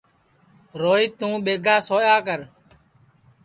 روہیت توں ٻیگا سویا کر